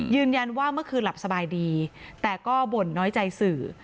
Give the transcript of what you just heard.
เมื่อคืนหลับสบายดีแต่ก็บ่นน้อยใจสื่อ